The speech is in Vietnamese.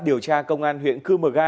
điều tra công an huyện cư mờ ga